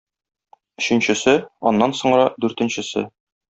Өченчесе, аннан соңра дүртенчесе.